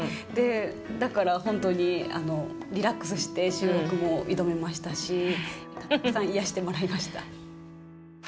だからほんとにリラックスして収録も挑めましたしたくさん癒やしてもらいました。